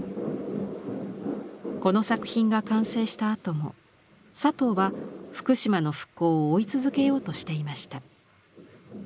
この作品が完成したあとも佐藤は福島の復興を追い続けようとしていました。